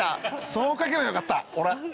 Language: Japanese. そう書けばよかった俺。